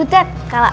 hai he i guh ain